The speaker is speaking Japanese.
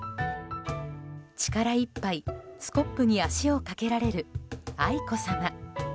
力いっぱいスコップに足をかけられる愛子さま。